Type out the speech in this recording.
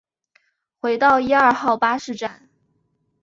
回到一二号巴士站